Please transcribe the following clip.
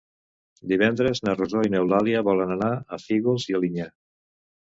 Divendres na Rosó i n'Eulàlia volen anar a Fígols i Alinyà.